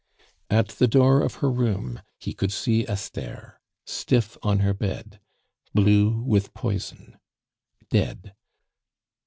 At the door of her room he could see Esther stiff on her bed, blue with poison dead!